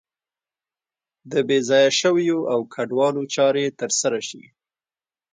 د بې ځایه شویو او کډوالو چارې تر سره شي.